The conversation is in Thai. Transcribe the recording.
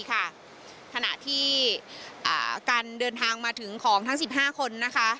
ขณะที่การเดินทางมาถึงของทั้ง๑๕คนนะคะ